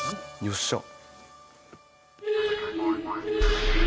「よっしゃ」